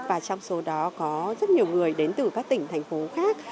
và trong số đó có rất nhiều người đến từ các tỉnh thành phố khác